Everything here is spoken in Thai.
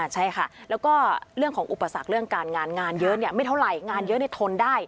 ใช่ค่ะแล้วก็เรื่องของอุปสรรคเรื่องการงานงานเยอะไม่เท่าไหร่งานเยอะทนได้